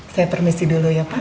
saya permisi dulu ya pak